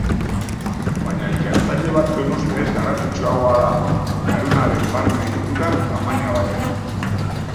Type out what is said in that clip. Baina ikertzaile batzuen ustez garrantzitsuagoa da garunaren barne egitura, tamaina baino.